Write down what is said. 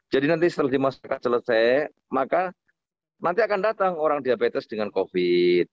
jadi nanti setelah dimaksudkan selesai maka nanti akan datang orang diabetes dengan covid